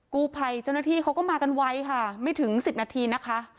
กู้ภัยเจ้าหน้าที่เขาก็มากันไว้ค่ะไม่ถึง๑๐นาทีนะคะ